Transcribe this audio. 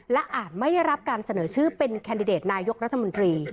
และอาจไม่ได้รับการเสนอชื่อเป็นแคนดิเดตนายกรัฐมนตรี